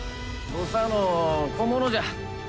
土佐の小物じゃ。